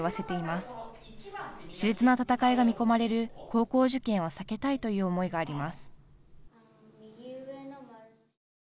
しれつな戦いが見込まれる高校受験を避けたいという思いがあります。